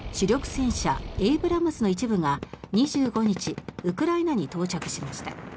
戦車エイブラムスの一部が２５日ウクライナに到着しました。